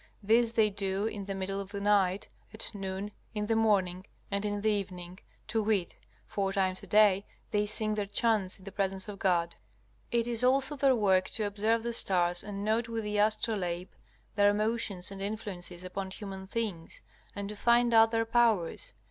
This they do in the middle of the night, at noon, in the morning and in the evening, to wit, four times a day they sing their chants in the presence of God. It is also their work to observe the stars and to note with the astrolabe their motions and influences upon human things, and to find out their powers.